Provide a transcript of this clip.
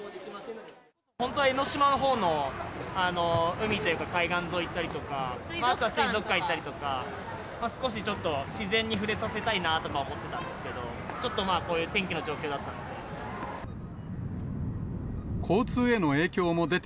本当は江の島のほうの海というか、海岸沿い行ったりとか、あとは水族館行ったりとか、少しちょっと、自然に触れさせたいなぁとか思ってたんですけど、ちょっとまあ、こういう天気の状況だったんで。